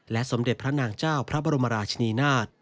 สมเด็จพระนางเจ้าพระบรมราชนีนาฏ